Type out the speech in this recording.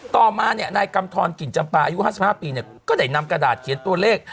ต่อมานายกำทรกลิ่นจำปาอายุ๕๕ปีก็ได้นำกระดาษเขียนตัวเลข